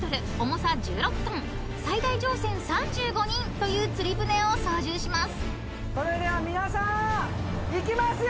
［という釣り船を操縦します］